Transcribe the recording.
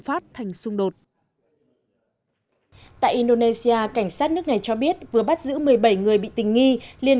phát thành xung đột tại indonesia cảnh sát nước này cho biết vừa bắt giữ một mươi bảy người bị tình nghi liên